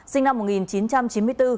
sinh năm một nghìn chín trăm chín mươi bốn